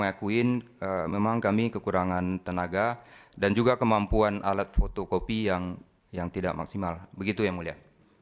akuin memang kami kekurangan tenaga dan juga kemampuan alat fotokopi yang tidak maksimal begitu ya mulia